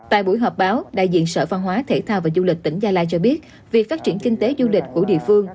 tại buổi họp báo đại diện sở văn hóa thể thao và du lịch tỉnh gia lai cho biết việc phát triển kinh tế du lịch của địa phương